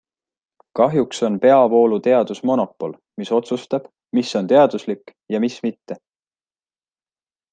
Kahjuks on peavooluteadus monopol, mis otsustab, mis on teaduslik ja mis mitte.